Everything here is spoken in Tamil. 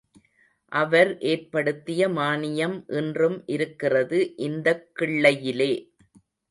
அவர் ஏற்படுத்திய மானியம் இன்றும் இருக்கிறது, இந்தக் கிள்ளையிலே.